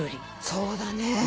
そうだね。